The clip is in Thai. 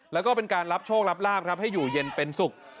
แล้วก็เป็นการรับโชครับลาบครับให้อยู่เย็นเป็นสุข